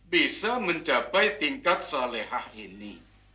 bisa mencapai tingkat salehah ini